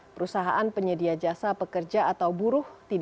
perusahaan penyedia jasur